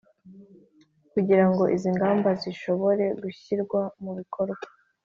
kugirango izi ngamba zishobore gushyirwa mu bikorwa